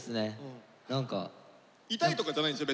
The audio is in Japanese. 痛いとかじゃないんでしょ？